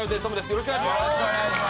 よろしくお願いします。